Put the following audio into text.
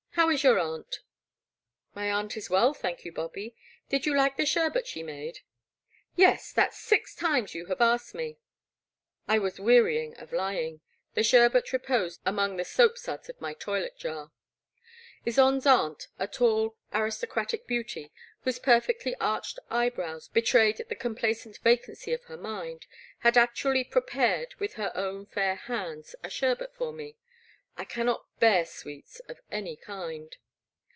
How is your aunt ?"My aunt is well, thank you, Bobby; did you like the sherbet she made ?"Yes — ^that 's six times you have asked me." <( (f The Black Water. 145 I was wearying of lying. The sherbet reposed among the soapsuds of my toilet jar. . Ysonde*s aunt, a tall aristocratic beauty, whose perfectly arched eye brows betrayed the compla cent vacancy of her mind, had actually prepared, with her own fair hands, a sherbet for me. I cannot bear sweets of any kind.